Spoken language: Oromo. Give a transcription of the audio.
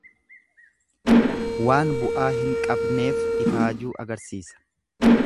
Waan bu'aa hin qabneef ifaajuu agarsiisa.